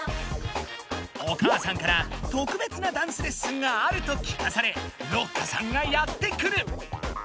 お母さんから「とくべつなダンスレッスンがある」と聞かされろっかさんがやって来る。